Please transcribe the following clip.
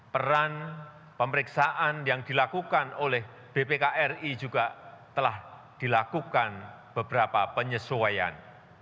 peran pemeriksaan yang dilakukan oleh bpkri juga telah dilakukan beberapa penyesuaian